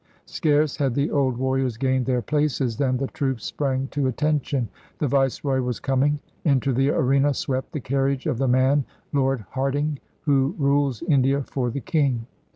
Scarce had the old warriors gained their places than the troops sprang to attention: the Viceroy was coming. Into the arena swept the carriage of the man. Lord Hardinge, who rules India for the King.